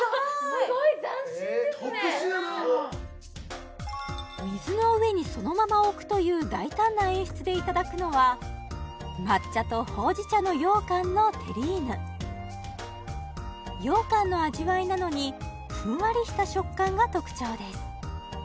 すごい特殊やな水の上にそのまま置くという大胆な演出でいただくのは抹茶とほうじ茶の羊羹のテリーヌ羊羹の味わいなのにふんわりした食感が特徴です